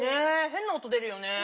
へんな音出るよね。